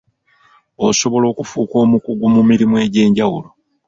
Osobola okufuuka omukugu mu mirimu egy'enjawulo.